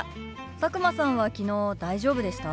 佐久間さんは昨日大丈夫でした？